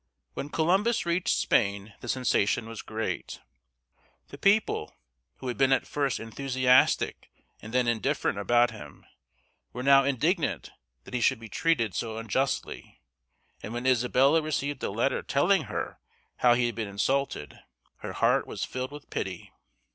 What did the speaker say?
When Columbus reached Spain the sensation was great. The people, who had been at first enthusiastic and then indifferent about him, were now indignant that he should be treated so unjustly, and when Isabella received a letter, telling her how he had been insulted, her heart was filled with pity.